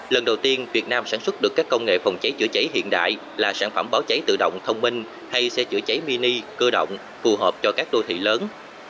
lần đầu tiên việt nam sản xuất được các công nghệ phòng cháy chữa cháy hiện đại là sản phẩm báo cháy tự động thông minh hay xe chữa cháy mini cơ động phù hợp cho các đô thị lớn